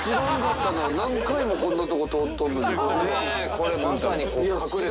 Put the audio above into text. これまさに。